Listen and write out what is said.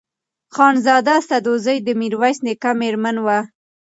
خانزاده سدوزۍ د میرویس نیکه مېرمن وه.